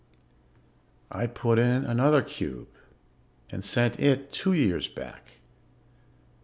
"I put in another cube and sent it two years back.